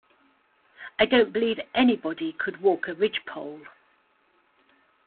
I don’t believe anybody could walk a ridgepole.